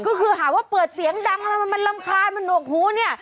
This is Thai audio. ก็คือหาว่าเปิดเสียงดังแล้วมันรำคาญมันหนวกหูเนี่ย